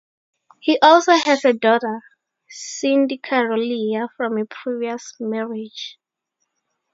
He also has a daughter, Cindy Carolina, from a previous marriage.